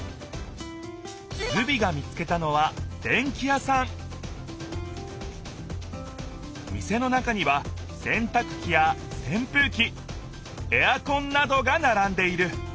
ズビが見つけたのは店の中にはせんたくきやせんぷうきエアコンなどがならんでいる。